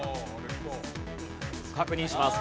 確認します。